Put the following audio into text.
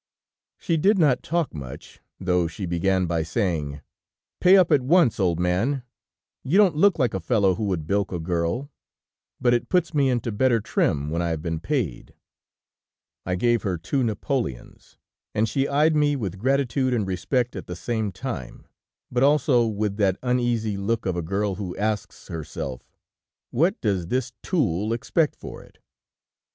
"She did not talk much, though she began by saying: 'Pay up at once, old man ... You don't look like a fellow who would bilk a girl, but it puts me into better trim when I have been paid.' "I gave her two napoleons, and she eyed me with gratitude and respect at the same time, but also with that uneasy look of a girl who asks herself: 'What does this tool expect for it?'